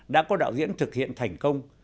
đã có đạo diễn thực hiện thành công